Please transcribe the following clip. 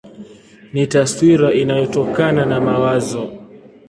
Ni taswira inayotokana na mawazo.